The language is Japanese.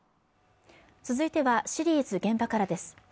続いてはシリーズ「現場から」です